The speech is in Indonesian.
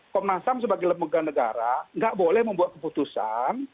pemahsam sebagai lembaga negara tidak boleh membuat keputusan